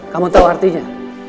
kamu tau artinya